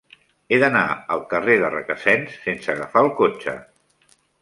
He d'anar al carrer de Requesens sense agafar el cotxe.